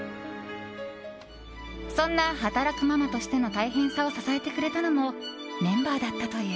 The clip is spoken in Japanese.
そんな働くママとしての大変さを支えてくれたのもメンバーだったという。